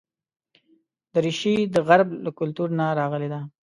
دریشي د غرب له کلتور نه راغلې ده.